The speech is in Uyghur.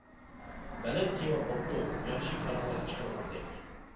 بەلەن تېما بوپتۇ، ياخشى پاراڭلار چىقىدىغاندەك.